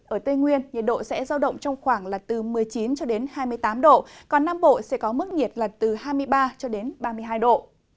ở tây nguyên nhiệt độ sẽ giao động trong khoảng là từ một mươi chín cho đến hai mươi tám độ còn nam bộ sẽ có mức nhiệt là từ hai mươi ba cho đến ba mươi hai độ